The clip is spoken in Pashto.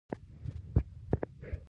تر اوسه مې لا په ژبه د انارو څکه پرته ده.